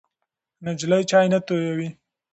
نجلۍ چای نه تویوي.